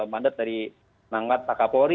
mandat dari mangat pakapori